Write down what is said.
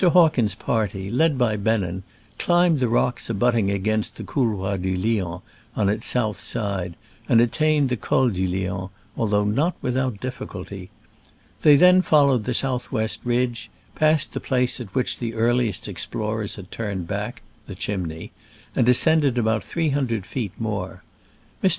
Hawkins' party, led by Bennen, climbed the rocks ^abutting against the Couloir du Lion on its south side, and attained the Col du Lion, although not without difficulty. They then followed the south west ridge, passed the place at which the earliest explorers had turned back (the Chimney), and ascended about three hundred feet more. Mr.